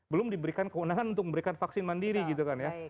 belum diberikan kewenangan untuk memberikan vaksin mandiri gitu kan ya